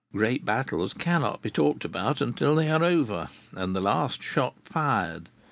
Great battles cannot be talked about till they are over and the last shot fired.